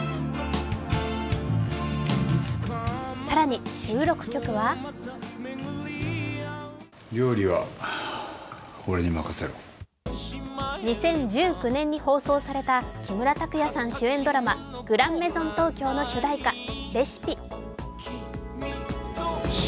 更に収録曲は２０１９年に放送された木村拓哉さん主演ドラマ、「グランメゾン東京」の主題歌、「ＲＥＣＩＰＥ」。